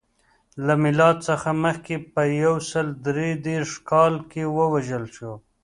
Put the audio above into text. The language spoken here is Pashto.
له میلاد څخه مخکې په یو سل درې دېرش کال کې ووژل شو.